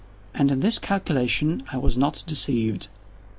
And in this calculation I was not deceived.